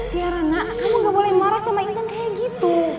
piaran nak kamu gak boleh marah sama intan kayak gitu